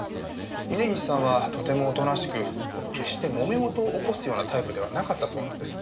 峰岸さんはとてもおとなしく決してもめ事を起こすようなタイプではなかったそうなんです。